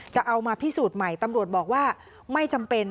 จะเอามาพิสูจน์ใหม่ตำรวจบอกว่าไม่จำเป็น